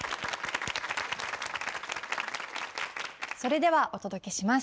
それではお届けします。